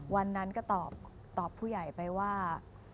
วันนั้นก็ตอบผู้ใหญ่ไปว่า